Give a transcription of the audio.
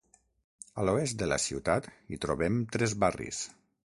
A l'oest de la ciutat hi trobem tres barris.